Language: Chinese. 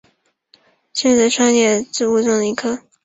西番莲科为双子叶植物中的一科。